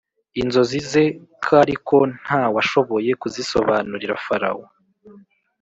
inzozi ze k Ariko nta washoboye kuzisobanurira Farawo